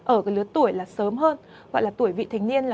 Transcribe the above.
ở lứa tuổi là sớm hơn gọi là tuổi vị thành niên